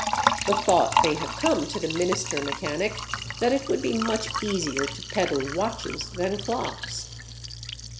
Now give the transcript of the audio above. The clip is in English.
The thought may have come to the minister mechanic that it would be much easier to peddle watches than clocks.